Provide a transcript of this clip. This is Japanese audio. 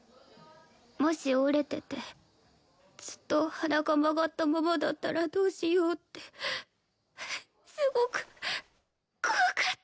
もし折れててずっと鼻が曲がったままだったらどうしようってすごく怖かった。